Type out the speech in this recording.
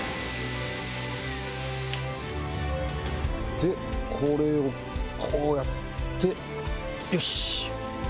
でこれをこうやってよし！